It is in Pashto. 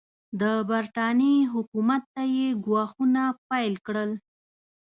د برټانیې حکومت ته یې ګواښونه پیل کړل.